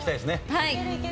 はい！